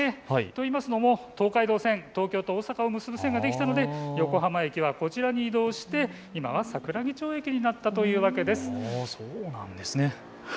といいますのも東海道線東京と大阪を結ぶ線ができたので横浜駅はこちらに移動して今は桜木町駅になったというわけです。